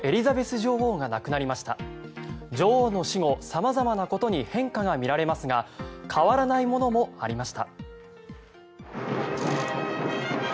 女王の死後、様々なことに変化が見られますが変わらないものもありました。